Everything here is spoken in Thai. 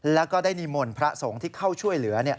แล้วก็ได้นิมนต์พระสงฆ์ที่เข้าช่วยเหลือ